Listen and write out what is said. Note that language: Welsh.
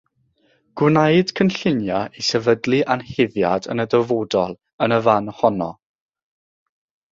Gwnaed cynlluniau i sefydlu anheddiad yn y dyfodol yn y fan honno.